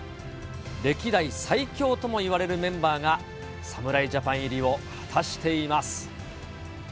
歴代最強ともいわれるメンバーが、侍ジャパン入りを果たしています。